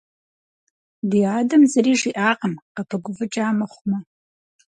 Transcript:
Ди адэм зыри жиӀакъым, къыпыгуфӀыкӀа мыхъумэ.